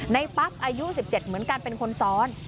ปั๊บอายุ๑๗เหมือนกันเป็นคนซ้อน